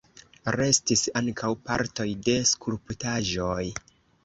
Restis ankaŭ partoj de skulptaĵoj.